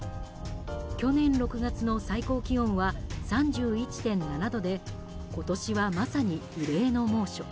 去年６月の最高気温は３１．７度で今年はまさに異例の猛暑。